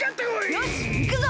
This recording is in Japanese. よしいくぞ！